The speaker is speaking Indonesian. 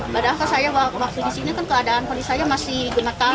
padahal saya waktu di sini kan keadaan polis saya masih gemetaran